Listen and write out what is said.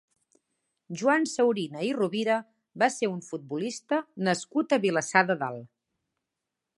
Joan Saurina i Rovira va ser un futbolista nascut a Vilassar de Dalt.